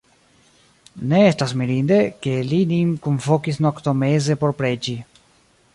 Ne estas mirinde, ke li nin kunvokis noktomeze por preĝi.